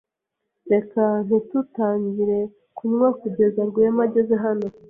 Reka ntitutangire kunywa kugeza Rwema ageze hano.